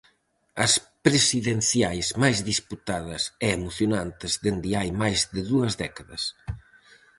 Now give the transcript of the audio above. As presidenciais máis disputadas e emocionantes dende hai máis de dúas décadas.